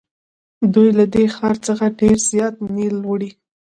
دوی له دې ښار څخه ډېر زیات نیل وړي.